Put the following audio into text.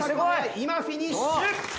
今フィニッシュ！